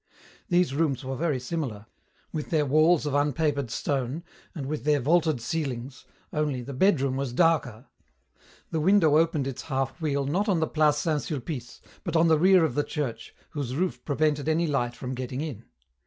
These rooms were very similar, with their walls or unpapered stone, and with their vaulted ceilings, only, the bedroom was darker. The window opened its half wheel not on the place Saint Sulpice but on the rear of the church, whose roof prevented any light from getting in.